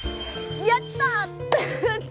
やった！